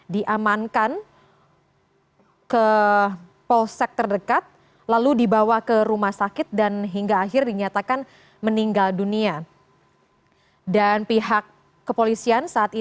jalan proklamasi jakarta pusat